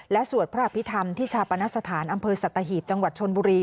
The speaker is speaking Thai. และสวดพระอภิษฐรรมที่ชาปนสถานอำเภอสัตหีบจังหวัดชนบุรี